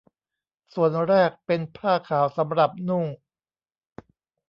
ส่วนแรกเป็นผ้าขาวสำหรับนุ่ง